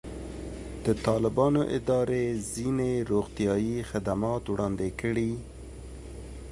د طالبانو ادارې ځینې روغتیایي خدمات وړاندې کړي.